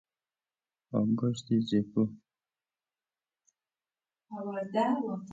آبگوشت زیپو